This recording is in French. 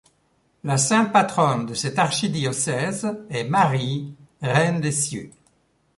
La sainte patronne de cet archidiocèse est Marie, Reine des Cieux.